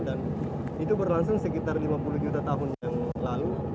dan itu berlangsung sekitar lima puluh juta tahun yang lalu